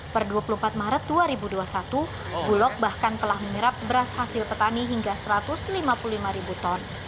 per dua puluh empat maret dua ribu dua puluh satu bulog bahkan telah menyerap beras hasil petani hingga satu ratus lima puluh lima ribu ton